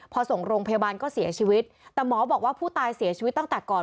พอส่งโรงพยาบาลก็เสียชีวิตแต่หมอบอกว่าผู้ตายเสียชีวิตตั้งแต่ก่อน